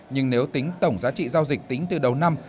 nhưng nếu tính tổng giá trị giao dịch tính từ đầu năm